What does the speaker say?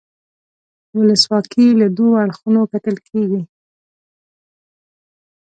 ولسواکي له دوو اړخونو کتل کیږي.